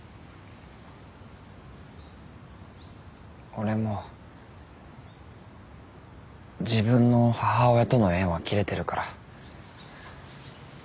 俺も自分の母親との縁は切れてるから。